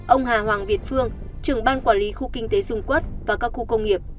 ông hà hoàng việt phương trưởng ban quản lý khu kinh tế dung quốc và các khu công nghiệp